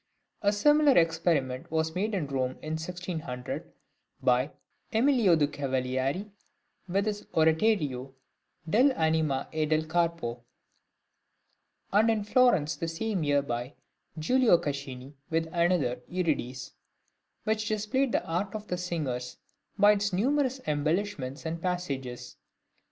A similar experiment was made in Rome in 1600 by Emilio de' Cavalieri with his oratorio "Dell' Anima e del Corpo," and in Florence the same year by Giulio Caccini with another, "Euridice," which displayed the art of the singers by its numerous embellishments and passages.